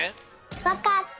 わかった。